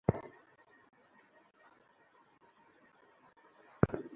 বেলা আড়াইটায় বাড়িতে জানাজা শেষে তাঁর লাশ পারিবারিক কবরস্থানে দাফন করা হয়।